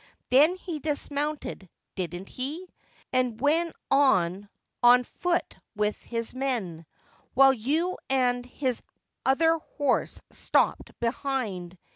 Then he dismounted — didn't he? — and went on on foot with his men, while you and his other horse stopped behind.